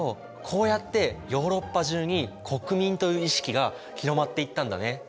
こうやってヨーロッパ中に国民という意識が広まっていったんだね。